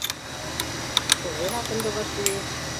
Кузерак ынде вашлиеш?